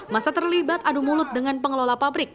masa terlibat adu mulut dengan pengelola pabrik